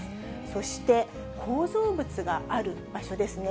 そして、構造物がある場所ですね。